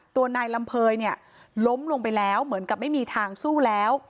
ตัวนายลำเภยเนี่ยล้มลงไปแล้วเหมือนกับไม่มีทางสู้แล้ว